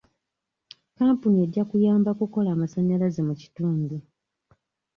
Kampuni ejja kuyamba kukola amasannyalaze mu kitundu.